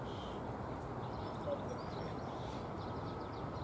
ON THE CLIFFS.